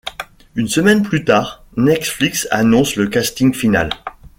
Une semaine plus tard, Netflix annonce le casting final.